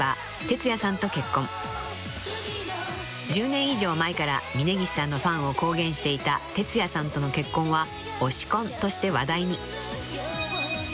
［１０年以上前から峯岸さんのファンを公言していたてつやさんとの結婚は「推し婚」として話題に］